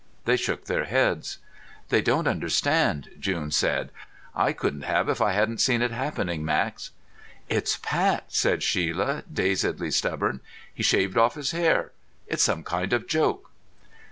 They shook their heads. "They don't understand," June said. "I couldn't have if I hadn't seen it happening, Max." "It's Pat," said Shelia, dazedly stubborn. "He shaved off his hair. It's some kind of joke."